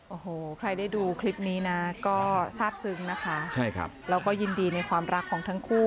โอ้โหใครได้ดูคลิปนี้นะก็ทราบซึ้งนะคะใช่ครับแล้วก็ยินดีในความรักของทั้งคู่